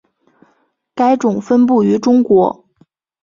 该种分布于中国。